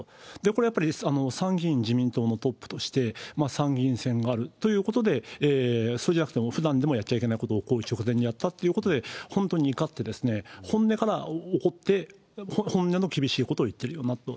これやっぱり、参議院、自民党のトップとして、参議院選があるということで、そうじゃなくても、ふだんでもやっちゃいけないことを、こういう直前にやったということで、本当にいかって、本音から怒って、本音の厳しいことを言っているんだなと。